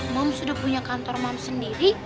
mams udah punya kantor mams sendiri